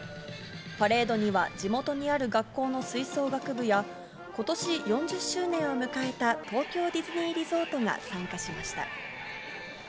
パレードには地元にある学校の吹奏楽部や、ことし４０周年を迎えた東京ディズニーリゾートが参加しました。